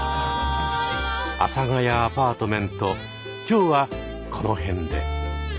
「阿佐ヶ谷アパートメント」今日はこの辺で。